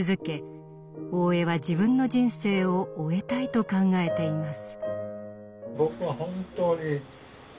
大江は自分の人生を終えたいと考えています。